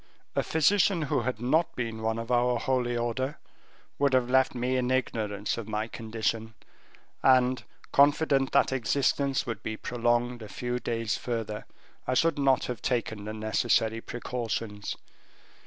A physician who had not been one of our holy order, would have left me in ignorance of my condition; and, confident that existence would be prolonged a few days further, I should not have taken the necessary precautions.